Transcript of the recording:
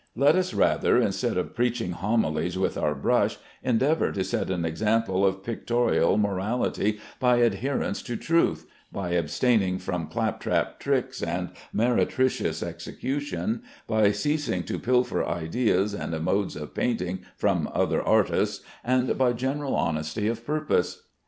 Let us rather, instead of preaching homilies with our brush, endeavor to set an example of pictorial morality by adherence to truth, by abstaining from clap trap tricks and meretricious execution; by ceasing to pilfer ideas and modes of painting from other artists, and by general honesty of purpose.